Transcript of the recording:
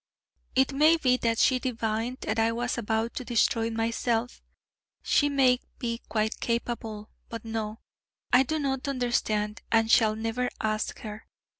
It may be that she divined that I was about to destroy myself ... she may be quite capable.... But no, I do not understand, and shall never ask her.